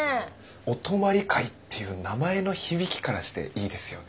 「お泊まり会」っていう名前の響きからしていいですよね。